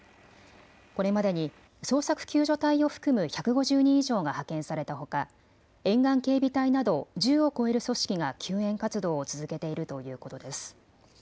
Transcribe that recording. これまでに捜索救助隊を含む１５０人以上が派遣されたほか沿岸警備隊など１０を超える組織が救援活動を続けているということです。